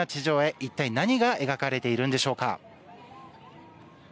一体何が描かれているんでしょうか。